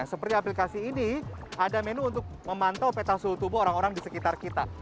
seperti aplikasi ini ada menu untuk memantau peta suhu tubuh orang orang di sekitar kita